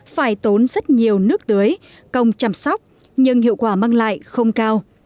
phải tốn rất nhiều nước tưới công chăm sóc nhưng hiệu quả mang lại không cao